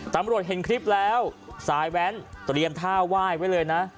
ตำรวจเห็นคลิปแล้วสายแว้นเตรียมท่าไหว้ไว้เลยนะ